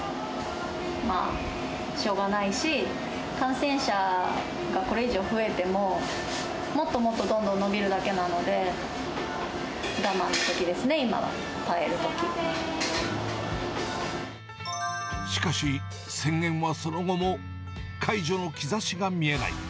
まあ、しょうがないし、感染者がこれ以上増えても、もっともっとどんどん延びるだけなので、我慢のときですね、しかし、宣言はその後も解除の兆しが見えない。